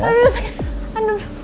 aduh sakit aduh